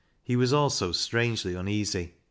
He was also strangely uneasy.